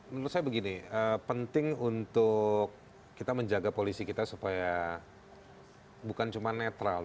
menurut saya begini penting untuk kita menjaga polisi kita supaya bukan cuma netral